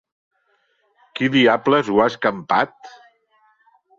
Qui diables ho ha escampat?